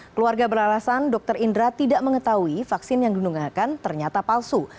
keluarga berharasan dr indra tidak mengetahui vaksin yang dinunggahkan ternyata palsu